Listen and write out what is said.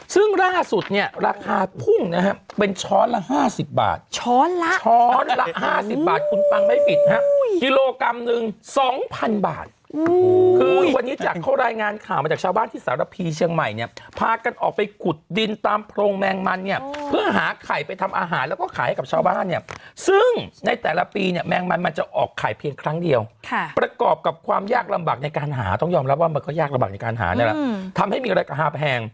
ซึ่งล่าสุดเนี้ยราคาพุ่งนะฮะเป็นช้อนละห้าสิบบาทช้อนละช้อนละห้าสิบบาทคุณปังไม่ผิดฮะกิโลกรัมนึงสองพันบาทคือวันนี้จากเข้ารายงานข่าวมาจากชาวบ้านที่สารพีเชียงใหม่เนี้ยพากันออกไปกุดดินตามโพรงแมงมันเนี้ยเพื่อหาไข่ไปทำ